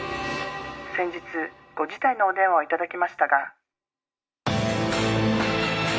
「先日ご辞退のお電話をいただきましたが」